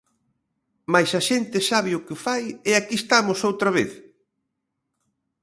"Mais a xente sabe o que fai, e aquí estamos, outra vez".